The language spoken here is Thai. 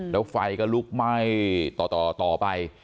แล้วไฟก็ลุกไหม้ต่อไป